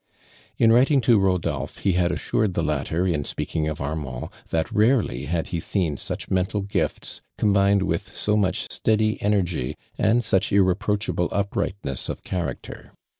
In writing to Rodolphe ho had assured the latter in speaking of Arnwuid, tliat rarely hatl ho Been such mental gift« combined with so much steiuly energy and such irreproaolia hlo uprightness of character.